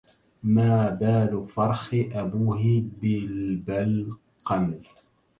ما بال فرخ أبوه بلبل قمل